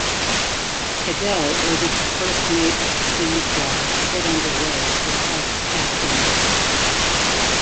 Cadell ordered the first mate of the Sandfly to get underway without its captain.